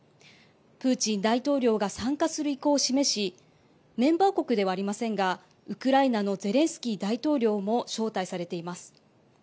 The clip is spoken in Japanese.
プーチン大統領が参加する意向を示しメンバー国ではありませんがウクライナのゼレンスキー大統領も招待されています。